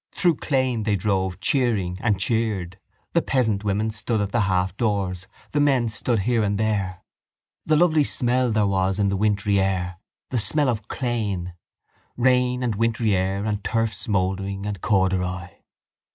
Through Clane they drove, cheering and cheered. The peasant women stood at the halfdoors, the men stood here and there. The lovely smell there was in the wintry air: the smell of Clane: rain and wintry air and turf smouldering and corduroy.